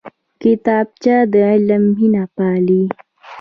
کتابچه د علم مینه پالي